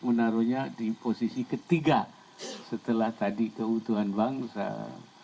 menaruhnya di posisi ketiga setelah tadi keutuhan bangsa keamanan dan ketemayan dan yang keempatnya